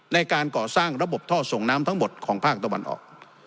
ในการก่อสร้างระบบท่อส่งน้ำทั้งหมดของภาคตะวันออก